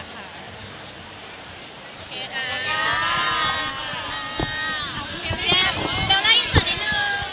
สวัสดีค่ะ